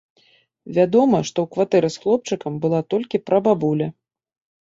Вядома, што ў кватэры з хлопчыкам была толькі прабабуля.